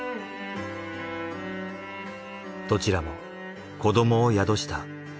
どちらも子どもを宿した